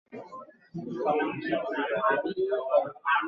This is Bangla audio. তথপি রঙ্গভূমির অধ্যক্ষগণ তাহাকে কখনো নিষেধ করিতে সাহস করে নাই।